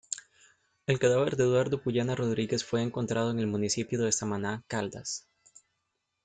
El cadáver de Eduardo Puyana Rodríguez fue encontrado en el municipio de Samaná Caldas.